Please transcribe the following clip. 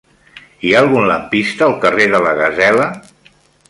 Hi ha algun lampista al carrer de la Gasela?